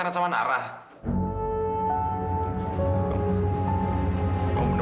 nanti bisa diatur